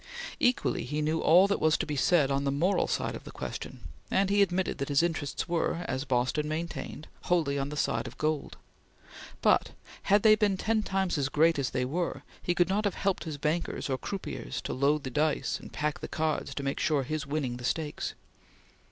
Equally he knew all that was to be said on the moral side of the question, and he admitted that his interests were, as Boston maintained, wholly on the side of gold; but, had they been ten times as great as they were, he could not have helped his bankers or croupiers to load the dice and pack the cards to make sure his winning the stakes.